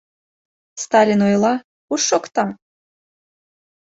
Сталин ойла, куш шокта?